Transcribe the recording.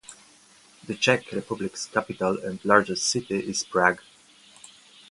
The Czech Republic's capital and largest city is Prague.